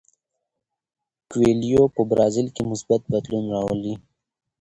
کویلیو په برازیل کې مثبت بدلون راولي.